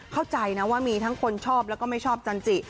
เข้าใจนะว่ามีทั้งคนชอบแล้วก็ไม่ชอบจันจิ